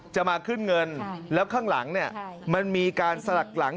มาขึ้นเงินแล้วข้างหลังเนี่ยมันมีการสลักหลัง